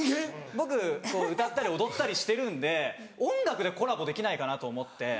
僕歌ったり踊ったりしてるんで音楽でコラボできないかなと思って。